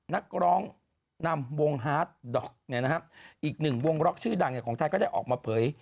นักร้องนำวงฮาร์ดด็อกอีกหนึ่งวงล็อกชื่อดังของไทยก็ได้ออกมาเผย